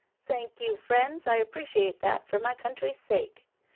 " Thank you, friends, I appreciate that for my coun try's sake.